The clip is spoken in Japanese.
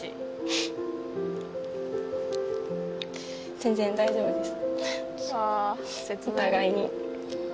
全然大丈夫です。